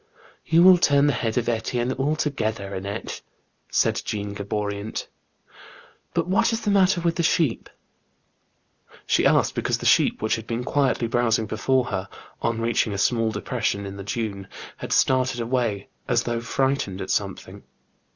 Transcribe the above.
''You will turn the head of Etienne altogether, Annette! " said Jeanne Gaboriant. "But what is the matter with the sheep ?" She asked because the sheep which had been quietly browsing before her, on reaching a small depression in the dune, had started away as though frightened at something.